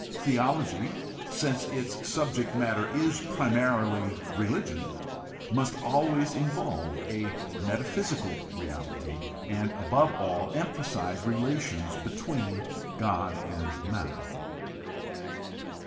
Theology, since its subject matter is primarily religion, must always involve a meta physical reality, and above all emphasize relations between God and men.